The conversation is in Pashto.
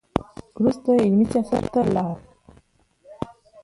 وروسته یې عملي سیاست ته لاړ.